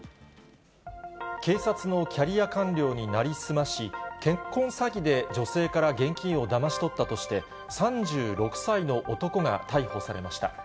警察のキャリア官僚になりすまし、結婚詐欺で女性から現金をだまし取ったとして３６歳の男が逮捕されました。